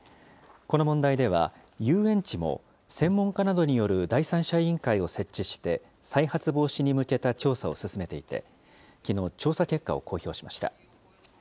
この問題では遊園地も専門家などによる第三者委員会を設置して、再発防止に向けた調査を進めていて、きのう調査結果を公表しました。